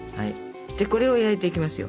これを焼いていきますよ。